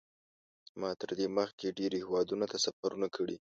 ما تر دې مخکې ډېرو هېوادونو ته سفرونه کړي.